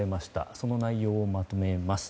その内容をまとめます。